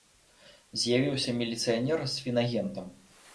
З'явіўся міліцыянер з фінагентам.